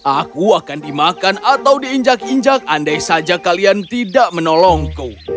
aku akan dimakan atau diinjak injak andai saja kalian tidak menolongku